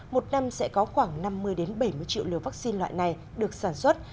một năm sẽ có khoảng năm mươi bảy mươi triệu liều vaccine loại này được sản xuất